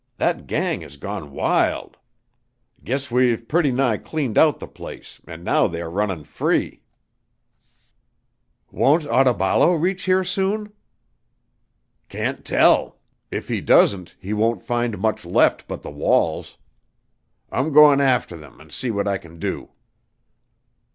That gang has gone wild. Guess we've pretty nigh cleaned out the place an' now they are runnin' free." "Won't Otaballo reach here soon?" "Can't tell. If he doesn't he won't find much left but the walls. I'm goin' arter them an' see what I can do."